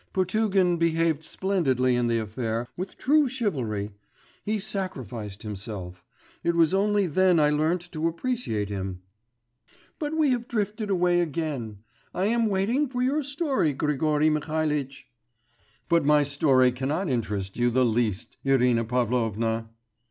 Potugin behaved splendidly in the affair, with true chivalry. He sacrificed himself. It was only then I learnt to appreciate him! But we have drifted away again. I am waiting for your story, Grigory Mihalitch.' 'But my story cannot interest you the least, Irina Pavlovna.